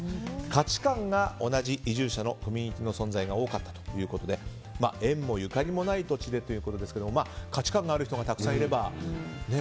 価値観が同じ移住者のコミュニティーの存在が多かったということで縁もゆかりもない土地ということですが価値観が合う人がたくさんいればね。